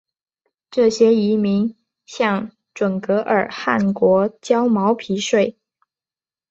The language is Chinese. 这些遗民向准噶尔汗国交毛皮税。